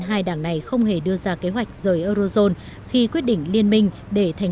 hai đảng này không hề đưa ra kế hoạch rời eurozone khi quyết định liên minh để thành